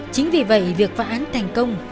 chính vì vậy việc phá án thành công